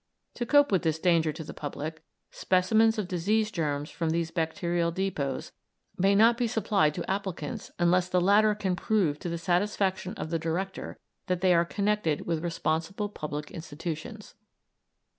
To cope with this danger to the public, specimens of disease germs from these bacterial depôts may not be supplied to applicants unless the latter can prove to the satisfaction of the director that they are connected with responsible public institutions.